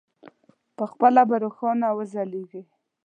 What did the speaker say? پخپله به روښانه وځلېږي.